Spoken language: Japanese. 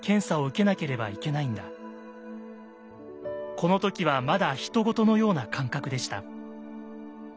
この時はまだ他人事のような感覚でした。